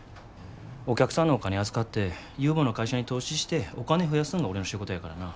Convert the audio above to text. お客さんのお金預かって有望な会社に投資してお金増やすんが俺の仕事やからな。